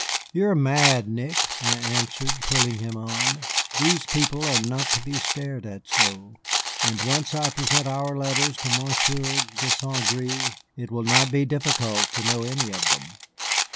"You are mad, Nick," I answered, pulling him on, "these people are not to be stared at so. And once I present our letters to Monsieur de Saint Gré, it will not be difficult to know any of them."